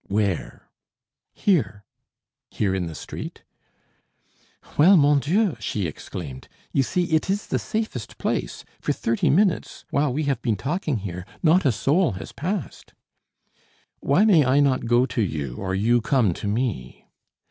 "Where?" "Here." "Here in the street?" "Well, mon Dieu!" she exclaimed. "You see, it is the safest place. For thirty minutes, while we have been talking here, not a soul has passed." "Why may I not go to you, or you come to me?"